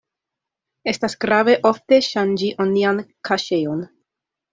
Estas grave ofte ŝanĝi onian kaŝejon.